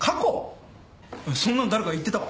そんなの誰か言ってたか？